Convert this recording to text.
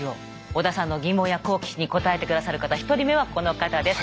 織田さんの疑問や好奇心にこたえて下さる方１人目はこの方です。